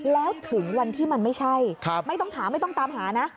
แล้วถึงวันที่มันไม่ใช่ไม่ต้องถามไม่ต้องตามหานะ